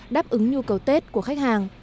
đáp ứng nhu cầu tết của khách hàng